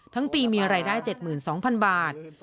ทั้งปีมีรายได้๗๒๐๐๐บาท